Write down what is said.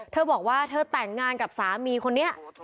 เธอบอกว่าเธอแต่งงานกับสามีคนนี้